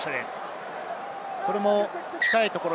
これも近いところ。